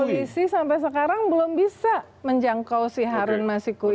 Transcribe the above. dan mengapa polisi sampai sekarang belum bisa menjangkau si harun masiku ini